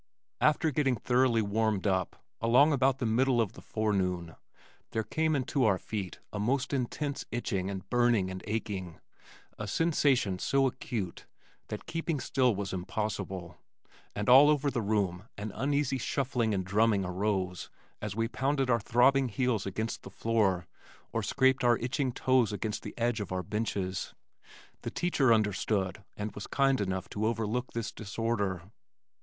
After getting thoroughly warmed up, along about the middle of the forenoon, there came into our feet a most intense itching and burning and aching, a sensation so acute that keeping still was impossible, and all over the room an uneasy shuffling and drumming arose as we pounded our throbbing heels against the floor or scraped our itching toes against the edge of our benches. The teacher understood and was kind enough to overlook this disorder.